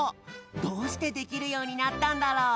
どうしてできるようになったんだろう？